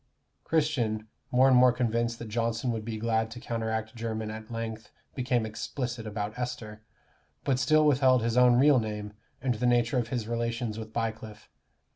Christian, more and more convinced that Johnson would be glad to counteract Jermyn at length became explicit about Esther, but still withheld his own real name, and the nature of his relations with Bycliffe.